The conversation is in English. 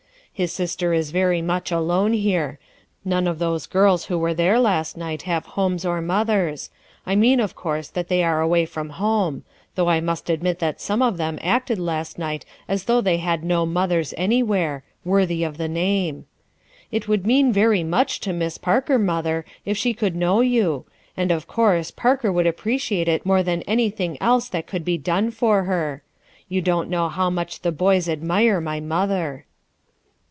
His sister is very much alone here ; none of those girls who were there last night have homes or mothers; I mean of course that they are away from home ; though I must admit that some of them acted last night as though they had no mothers any WOULD SHE "DO"? 45 where, worthy of the name. It would mean ver y much to Miss Parker, mother, if she could know you; and of course Parker would appreci ate it more than anything else that could be done for her. You don't know how much the boys admire my mother."